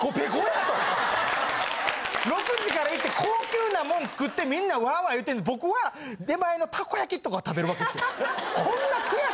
６時から行って高級なもん食ってみんなワーワー言うてんのに僕は出前のタコ焼きとか食べるわけですよ。